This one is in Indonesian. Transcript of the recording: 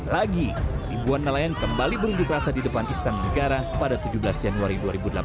lagi ribuan nelayan kembali berunjuk rasa di depan istana negara pada tujuh belas januari dua ribu delapan belas